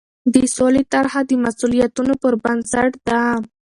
د سولې طرحه د مسوولیتونو پر بنسټ ده.